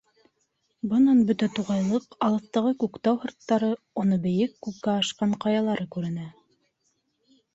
Бынан бөтә туғайлыҡ, алыҫтағы Күктау һырттары, уның бейек, күккә ашҡан ҡаялары күренә.